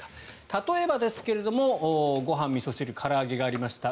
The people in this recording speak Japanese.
例えばですがご飯、みそ汁、から揚げがありました